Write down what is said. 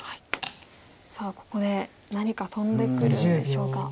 さあここで何か飛んでくるんでしょうか。